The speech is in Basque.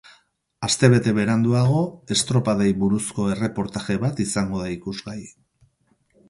Aste bete beranduago, estropadei buruzko erreportaje bat izango da ikusgai.